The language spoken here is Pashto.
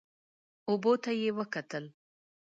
اوبو ته یې وکتل.